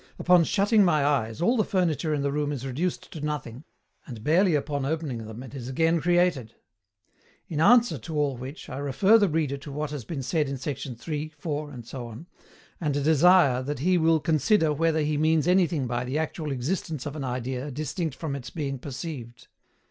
Upon SHUTTING MY EYES all the furniture in the room is reduced to nothing, and barely upon opening them it is again created. In ANSWER to all which, I refer the reader to what has been said in sect. 3, 4, &c., and desire he will consider whether he means anything by the actual existence of an idea distinct from its being perceived.